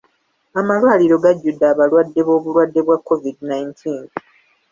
Amalwaliro gajjudde abalwadde b'obulwadde bwa COVID nineteen.